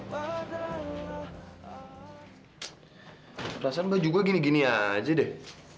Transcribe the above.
perasaan baju gue gini gini aja deh